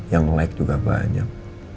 yang like juga banyak